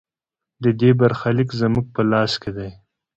د دې برخلیک زموږ په لاس کې دی؟